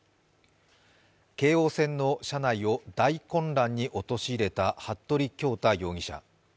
京王線の車内を大混乱に陥れた服部恭太容疑者。